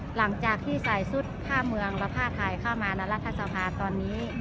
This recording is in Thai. หลังจากที่ใส่ชุดผ้าเมืองและผ้าไทยเข้ามาในรัฐสภาตอนนี้